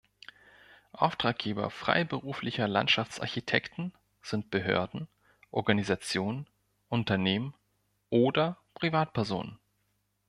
Auftraggeber freiberuflicher Landschaftsarchitekten sind Behörden, Organisationen, Unternehmen oder Privatpersonen.